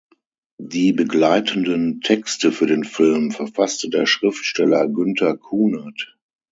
Die begleitenden Texte für den Film verfasste der Schriftsteller Günter Kunert.